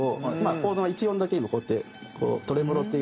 コードの１音だけ今こうやってトレモロ弾いてて。